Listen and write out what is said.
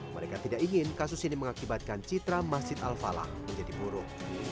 mereka tidak ingin kasus ini mengakibatkan citra masjid al falah menjadi buruk